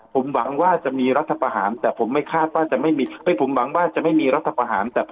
ผมหวังว่าจะมีรัฐประหารแต่ผมไม่คาดว่าจะไม่มีรัฐประหาร